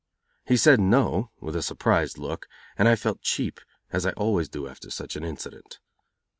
He said "No", with a surprised look, and I felt cheap, as I always do after such an incident.